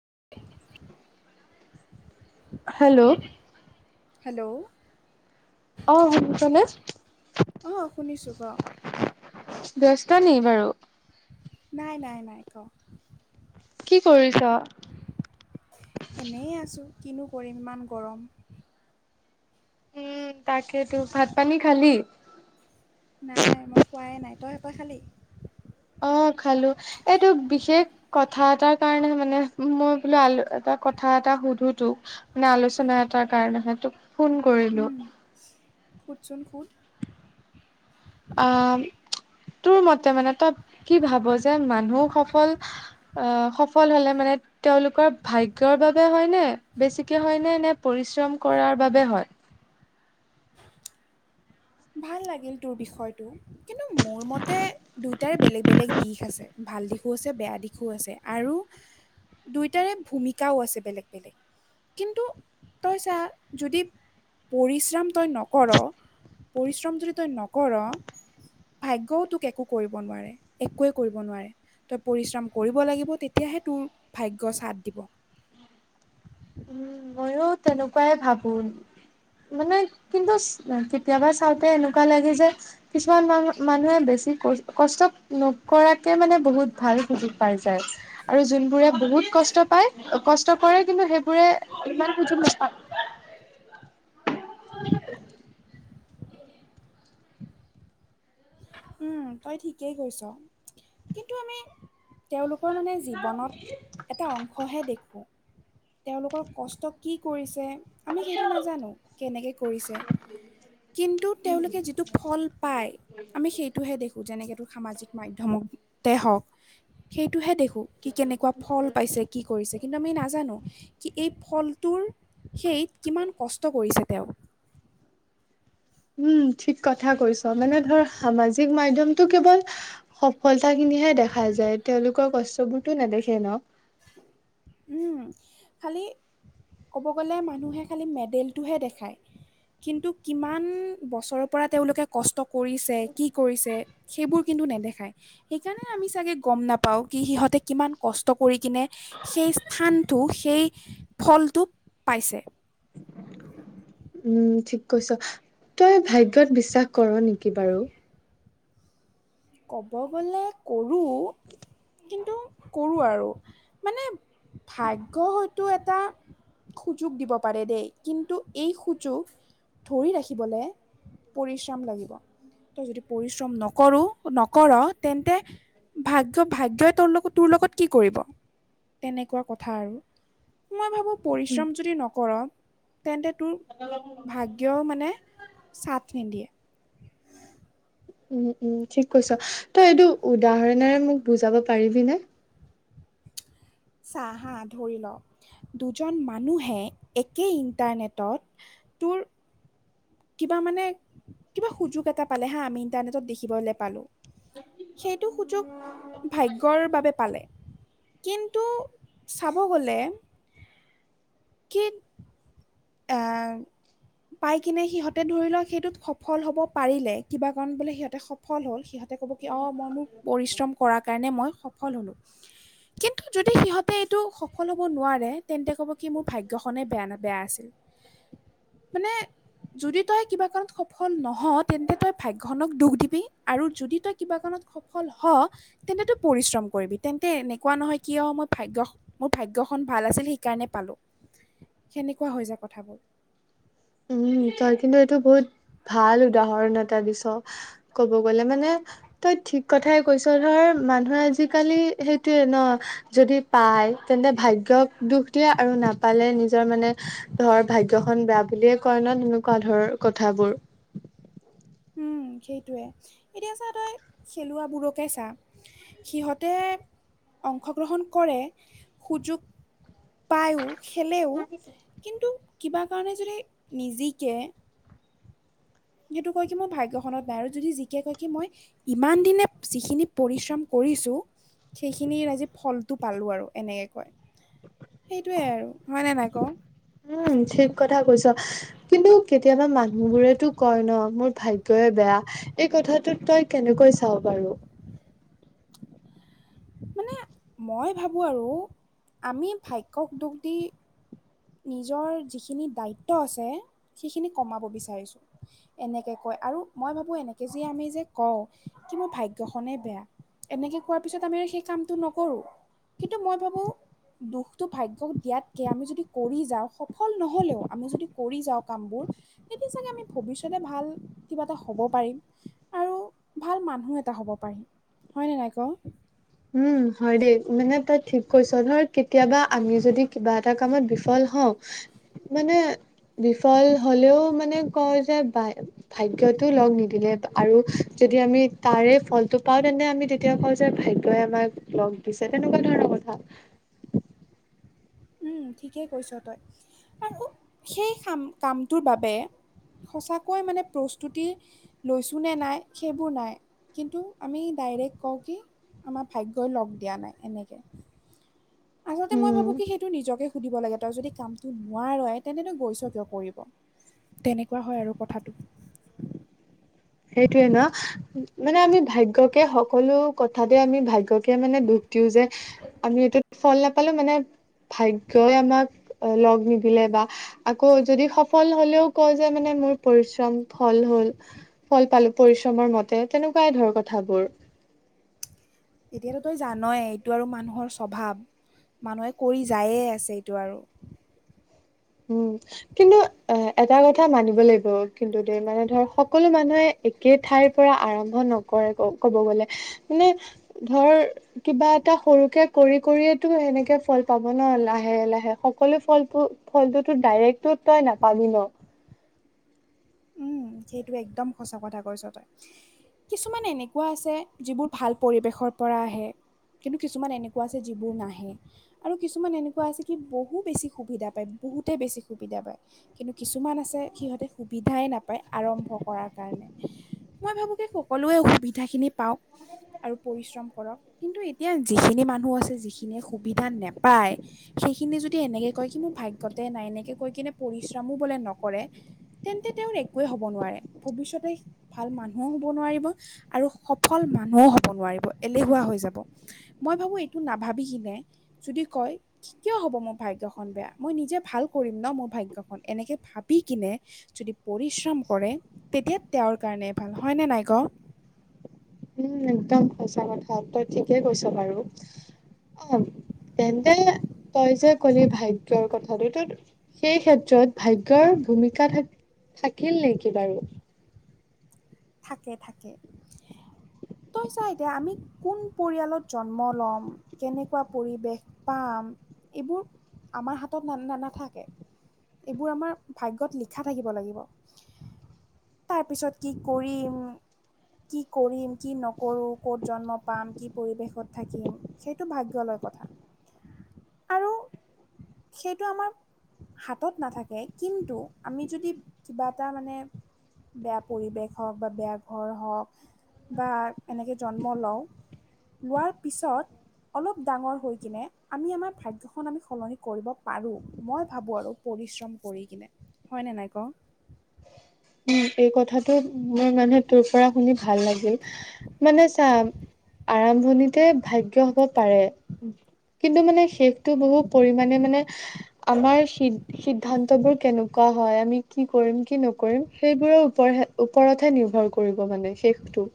[unintelligible] Hello hello অহ শুনিছনে অ শুনিছো ক দহটানি বাৰু নাই নাই নাই ক কি কৰিছ এনে আছোঁ কিনো কৰিম ইমান গৰম। উম তাকেতো ভাত পানী খালি। নাই মই খোৱাই নাই তই একয় খালি অ খালো এইটো বিশেষ কথা এটাৰ কাৰণে মানে মই বোলো আলু এটা কথা থা এটা সুধো তোক মানে আলোচনা এটাৰ কাৰণেহে তোক ফোন কৰিলো। চোন খুত অহ তোৰ মতে মানে তই কি ভাব যে মানুহ সফল অহ সফল হলে মানে তেওঁলোকৰ ভাগ্যৰ বাবে হয় নে বেছিকে হয় নে নে পৰিশ্ৰম কৰাৰ বাবে হয়। ভাল লাগিল তোৰ বিষয়টো কিন্তু মোৰ মতে দুইটাৰ বেলেগ বেলেগ দিশ আছে ভা ভাল দিশো আছে বেয়া দিশো আছে আৰু দুয়টাৰে ভূমিকাও আছে বেলেগ বেলেগ। কিন্তু তই চা যদি পৰিশ্ৰম তই নকৰ পৰিশ্ৰম যদি তই নকৰ ভাগ্যও তোক একো কৰিব নোৱাৰে একোৱে কৰিব নোৱাৰে। তই পৰিশ্ৰম কৰিব লাগিব তেতিয়াহে তোৰ ভাগ্য চাদ দিব। উম মইয়ো তেনেকোৱাই ভাবো মানে কিন্তু কেতিয়াবা চাওঁতে এনেকোৱা লাগে যে কিছুমান মানু মানুহে বেছি কষ্ট নকৰাকে মানে বহুত ভাল সুজোগ পাইছো আৰু যোনবোৰে বহুত কষ্ট পায় কষ্ট কৰে কিন্তু সেইবোৰে ইমান সুযোগ নাপা উম তই ঠিকেই কৈছ কিন্তু আমি তেওঁলোকৰ মানে জীৱনত এটা অংশহে দেখোঁ [unintelligible] তেওঁলোকৰ কষ্ট কি কৰিছে আমি সেইটো নাজানো কেনেকে কৰিছে কিন্তু তেওঁলোকে যিটো ফল পায় আমি সেইটোহে দেখোঁ যেনেকেতো সামাজিক মাধ্যমতে হওক সেইটোহে দেখোঁ কি কে এনেকোৱা ফল পাইছে কি কৰিছে কিন্তু আমি নাজানো কি এই ফলটোৰ সেইত কিমান কষ্ট কৰিছে তেওঁ [unintelligible] উম ঠিক কথা কৈছ মানে ধৰ সামাজিক মাধ্যমটো কেৱল সফলতা খিনিহে দেখা দেখা যায় তেওঁলোকৰ কষ্টবোৰতো নেদেখে ন খালি ক'ব গ'লে মানুহে খালি মেডেলটোহে দেখায় কিন্তু কিমান বছৰৰ পৰা তেওঁলোকে কষ্ট কৰিছে কি কৰিছে সেইবোৰ কি ন্তু নেদেখায় সেইকাৰণে আমি চাগে গম নাপাও কি সিহঁতে কিমান কষ্ট কৰি কিনে সেই স্থানটো সেই ফলটো পাইছে উম ঠিক কৈছ তই ভাগ্যত বিশ্বাস কৰ নেকি বাৰু ক'ব গলে কৰো কিন্তু কৰোঁ আৰু মানে ভাগ্য হয়তো এটা সুযোগ দিব পাৰে দেই কিন্তু এই সুযোগ ধৰি ৰাখিবলে পৰিশ্ৰম লাগিব তই যদি পৰিশ্ৰম নকৰ নকৰা তেন্তে ভাগ্য ভাগ্যই ত লগ তোৰ লগত কি কৰিব তেনেকোৱা কথা আৰু মই ভাবোঁ পৰিশ্ৰম যদি নকৰঁ, তেন্তে তোৰ ভাগ্যও মানে ছাথ নিদিয়ে। [inaudible] উম, ঠিক কৈছ। তই এইটো উদাহৰণেৰে মোক বুজাব পাৰিবিনে? চাহ হা ধৰি ল। দুজন মানুহে একে ইণ্টাৰনেটত তোৰ কিবা মানে কিবা সুযোগ এটা পালে হা, আমি ইন্টাৰনেটত দেখিবলে পালো। সেইটো সুযোগ ভাগ্যৰ বাবে পালে। কিন্তু চাব গ'লে কি এ পাই কিনে সিহঁতে ধৰি লোৱা সেইটোত সফল হব পাৰিলে। কিবা কাৰণ বোলে সিহঁতে সফল হ'ল। সিহঁত তাতে ক'ব কি অঁ মই মোৰ পৰিশ্ৰম কৰাৰ কাৰণে মই সফল হ'লোঁ। কিন্তু যদি সিহঁতে এইটো সফল হ'ব নোৱাৰে, তেন্তে ক'ব কি মোৰ ভাগ্যখনে বেয়া বেয়া আছিল। [inaudible] মানে যদি তই কিবা কাৰণত সফল নহও। তেন্তে তই ভাগ্যখনক দুখ দিবি আৰু যদি তই কিবা কাৰণত সফল হ তেন্ত তই পৰিশ্ৰম কৰিবি। তেন্তে এনেকুৱা নহয় কি হ মই ভাগ্য মোৰ ভাগ্য ভাগ্য খন ভাল আছিল সেইকাৰণে পালোঁ। সেনেকুৱা হৈ যায় কথাবোৰ। উ তই কিন্তু এইটো বহুত ভাল উদাহৰণ এটা দিছ। ক'ব গলে মানে ঠিক কথাই কৈছ। ধৰ মানুহে আজিকালি সেইটোৱে ন যদি পায়, তেন্ত ভাগ্যক দুখ দিয়ে আৰু নাপালে নিজৰ মানে ধৰ ভাগ্য খন বেয়া বুলিয়ে কয় তেনেকুৱা ধৰ কথাবোৰ। উম, সেইটোৱে। এতিয়া চা তই খেলুৱাবোৰকে চা। সিহঁতে অংশগ্ৰহণ কৰে। সুযোগ পায়ো, খেলেও। কিন্তু কিবা কাৰণে যদি নিজিকে সেইটো কয় কি মই ভাগ্যখনত নাই। আৰু যদি জিকে কয় কি মই ইমান দিনে যিখিনি পৰিশ্ৰম কৰ ৰিছো সেইখিনিৰ আজি ফলটো পালো আৰু এনেকে কয়। সেইটোৱে আৰু। হয় নে নাই ক। উম, ঠিক কথা কৈছা। কিন্তু কেতিয়াবা মানুহ বোৰেতো কয় ন মোৰ ভাগ্যই বেয়া এই কথাটোত তই কেনেকৈ চাও বাৰু। মানে মই ভাবোঁ আৰু আমি ভাগ্যক দুখ দি নিজৰ যিখিনি দায়িত্ব আছে, সেইখিনি কমাব বিচাৰিছো। এনেকে কয়। আৰু মই ভাবো এনেকে যে আমি যে কওঁ কি মোৰ ভাগ্যখনেই বেয়া। এনেকে কোৱাৰ পিছত আমি আৰু সেই কামটো নকৰো। কিন্তু মই ভাবো দুখটো ভাগ্যক দিয়াতকে আমি যদি কৰি যাওঁ সফল নহলেও আমি যদি কৰি যাওঁ কামবোৰ তেতিয়া চাগে আমি ভৱিষ্যতে ভাল কিবা এটা হ'ব পাৰিম। আৰু [inaudible] ভাল মানুহ এটা হ'ব পাৰিম। হয়নে নাই ক। উম, হয় দেই। মানে তই ঠিক কৈছ ধৰ কেতিয়াবা আমি যদি কিবা এটা কামত বিফল হও মানে বিফল হলেও মানে কয় যে বাই ভাগ্যটো লগ নিদিলে আৰু যদি আমি তাৰে ফলটো পাওঁ তেন্তে আমি তেতিয়া কওঁ যে ভাগ্য ত আমাক লগ দিছে তেনেকুৱা ধৰণৰ কথা। উম, ঠিকেই কৈছ তই আৰু সেই খাম কামটোৰ বাবে সঁচাকৈ মানে প্ৰস্তুতি লৈছোঁ নে নাই সেইবোৰ নাই। কিন্তু আমি ডাইৰেক্ট কওঁ কি আমাৰ ভাগ্যই লগ দিয়া নাই এনেকে। আচলতে মই উম ভাবো কি সেইটো নিজকে সুধিব লাগে। তই যদি কামটো নোৱাৰৱে তেন্ত তই গৈছ কিয় কৰিব? তেনেকুৱা হয় আৰু কথাটো। [inaudible] সেইটোয়ে ন'মানে আমি ভাগ্যকে সকলো কথাতে আমি ভাগ্যকে মানে দুখ দিও যে আমি এইটোত ফল নাপালো মানে ভাগ্যই আমাক লগ নিদিলে বা আকৌ যদি সফল হলেও কয় যে মানে মোৰ পৰিশ্ৰম ফল হ'ল ফল পালো পৰিশ্ৰমৰ মতে তেনেকুৱাই ধৰ কথাবোৰ। এতিয়াতো তই জানয়ে এইটো আৰু মানুহৰ স্বভাৱ। মানুহে কৰি যায়ে আছে এইটো আৰু উম, কিন্তু এ -এটা কথা মানিব লাগিব কিন্তু দে মানে ধৰ সকলো মানুহে একে ঠাইৰ পৰা আৰম্ভ নকৰে ক ক'ব গলে নে ধৰ কিবা এটা সৰুকে কৰি কৰিয়েটো সেনেকে ফল পাব ন' লাহে -লাহে সকলো ফল পো ফলটোতো ডাইৰেক্টটো তই নাপাবি ন', উম, সেইটো একদম সঁচা কথা কৈছ তই কিছুমান এনেকুৱা আছে যিবোৰ ভাল পৰিৱেশৰ পৰা আহে কিন্তু, কিছুমান এনেকুৱা আছে যিবোৰ নাহে আৰু কিছুমান এনেকুৱা আছে কি বহু বেছি সুবিধা পায় বহুতেই বেছি সুবিধা পায় কিন্তু কিছুমান আছে সিহঁতে সু সুবিধাই নাপায় আৰম্ভ কৰাৰ কাৰণে মই ভাবো কি সকলোৱে সুবিধাখিনি পাও আৰু পৰিশ্ৰম কৰক কিন্তু এতিয়া যিখিনি মানুহ আছে যিখিনিয়ে সুবিধা নাপায় হে সেইখিনি যদি এনেকে কয় কি মোৰ ভাগ্যতে নাই এনেকে কৈ কিনে পৰিশ্ৰামো বোলে নকৰে তেন্তে তেওঁৰ একোৱে হব নোৱাৰে ভৱিষ্যতে ভাল মানুহও হব নোৱাৰিব আৰু সফল মানুহো হ'ব নোৱাৰিব এলেহুৱা হৈ যাব মই ভাবোঁ এইটো নাভাবি কিনে যদি কয় কিয় হ'ব মোৰ ভাগ্য খন বেয়া মই নিজে ভাল কৰিম ন মোৰ ভাগ্য খন এনেকে ভাবি কিনে, যদি পৰিশ্ৰম কৰে তেতিয়া তেওঁৰ কাৰণে ভাল হয়নে নাই ক উম একদম সঁচা কথা তই ঠিকেই কৈছ বাৰু অ তেন্তে তই যে কলি ভাগ্যৰ কথাটো ত সেই ক্ষেত্ৰত ভাগ্যৰ ভূমিকা থা থাকিল নেকি বাৰু থাকে থাকে তই চা এতিয়া আমি কোন পৰিয়ালত জন্ম লম কেনেকুৱা পৰিৱেশ পাম এইবোৰ আমাৰ হাতত নানা নানা থাকে এইবোৰ আমাৰ ভাগ্যত লিখা থাকিব লাগিব তাৰপিছত কি পৰিম কি কৰিম কি নকৰো ক'ত জন্ম পাম কি পৰিৱেশত থাকিম সেইটো ভাগ্য লাগ লৈ কথা [inaudible] আৰু সেইটো আমাৰ হাতত নাথাকে কিন্তু আমি যদি কিবা এটা মানে বেয়া পৰিৱেশ হওক বা বেয়া ঘৰ হওক বা এনেকৈ জন্ম লওঁ লোৱাৰ পিছত অলপ ডাঙৰ হৈ কিনে আমি আমাৰ ভাগ্যখন আমি সলনি কৰিব পাৰো মই ভাবো আৰু পৰিশ্ৰম কৰি কিনে হয়নে নাই ক [unintelligible] এই কথাটো মোৰ মানে তোৰ পৰা শুনি ভাল লাগিল মানে চা আৰম্ভণিতে ভাগ্য হব পাৰে কিন্তু মানে শেষটো বহু পৰিমণে মানে আমাৰ সি সিদ্ধান্ত বোৰ কেনেকুৱা, অ হয় আমি কি কৰিম কি নকৰিম সেইবোৰৰ ওপৰতে ওপৰতহে নিৰ্ভৰ কৰিব মানে শেষটো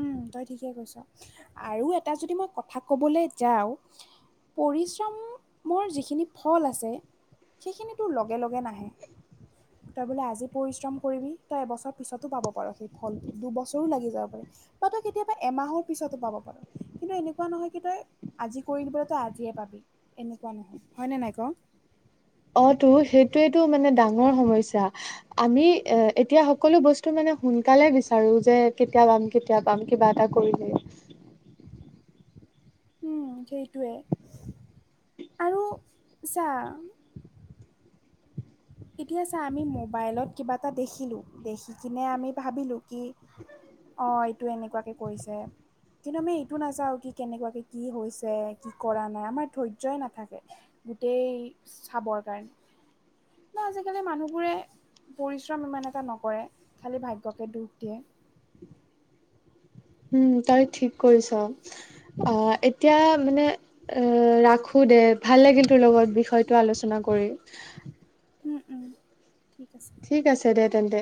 উম তই ঠিকে কৈছ আৰু এটা যদি মই কথা কবলৈ যাও পৰিশ্ৰমৰ যিখিনি ফল আছে সেইখিনিতো লগে লগে নাহে। তই বোলে আজি পৰিশ্ৰম কৰিবি তই এবছৰ পিছতো পাব পাৰ সেই ফলটো দুবছৰো লাগি যাব পাৰে। বা তই কেতিয়াবা এমাহৰ পিছতো পাব পাৰ কিন্তু এনেকুৱা নহয় কি তই আজি কৰি নিবলৈ তই আজিয়ে পাবি এনেকুৱা নহয় হয়নে নাই ক [unintelligible] অঁ তো সেইটোয়েটো মানে ডাঙৰ সমস্যা আমি এ এতিয়া সকলো বস্তু মানে সোনকালে বিচাৰো যে কেতিয়া পাম কেতিয়া পাম কিবা এটা কৰিলে উম সেইটোৱে। আৰু চাঁ এতিয়া চা আমি মোবাইলত কিবা এটা দেখিলোঁ দেখ কিনে আমি ভাবিলোঁ কি। অঁ এইটো এনেকুৱাকে কৰিছে। কিন্তু আমি এইটো নাচাও কি কেনেকুৱাকে কি হৈছে কি কৰা নাই আমাৰ ধৈৰ্য্যই নাথাকে। গোটেই চাবৰ কাৰণে বা আজিকালি মানুহবোৰে। পৰিশ্ৰম ইমান এটা নকৰে খালী ভাগ্যকে দুখ দিয়ে। [inaudible] উম তই ঠিক কৰিছ অঁ এতিয়া মানে অ ৰাখুৰ দে ভাল লাগিল তোৰ লগত বিষয়টো আলোচনা কৰি। উম উম ঠিক আছে ঠিক আছে দে তেন্তে।